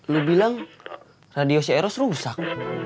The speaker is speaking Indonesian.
lu bilang radio c aeros rusak